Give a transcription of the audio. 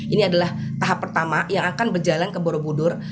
ini adalah tahap pertama yang akan berjalan ke borobudur